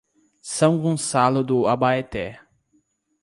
São Gonçalo do Abaeté